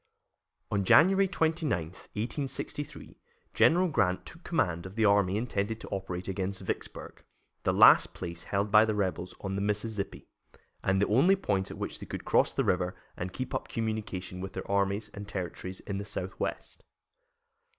On January 29, 1863, General Grant took command of the army intended to operate against Vicksburg, the last place held by the rebels on the Mississippi, and the only point at which they could cross the river and keep up communication with their armies and territory in the southwest.